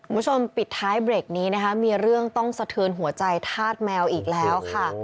มุมชมปิดท้ายเบรกมีเรื่องต้องสะทือนหัวใจทาสแมวอีกแล้ว